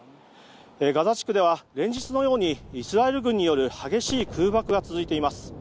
ガザ地区では連日のようにイスラエル軍による激しい空爆が続いています。